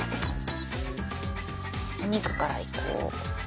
お肉からいこう。